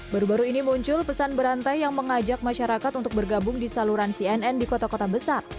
baru baru ini muncul pesan berantai yang mengajak masyarakat untuk bergabung di saluran cnn di kota kota besar